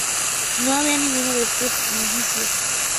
No había ninguno de estos indicios.